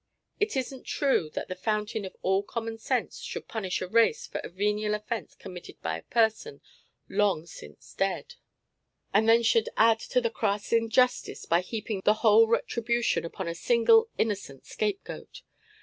It isn't true that the Fountain of all common sense should punish a race for a venial offence committed by a person long since dead, and then should add to the crass injustice by heaping the whole retribution upon a single innocent scapegoat.